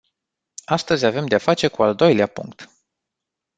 Astăzi avem de-a face cu al doilea punct.